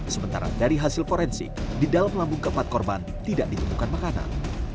sementara dari hasil forensik di dalam lambung keempat korban tidak ditemukan makanan